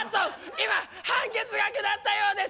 今判決が下ったようです！